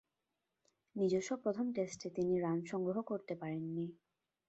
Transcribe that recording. নিজস্ব প্রথম টেস্টে তিনি রান সংগ্রহ করতে পারেননি।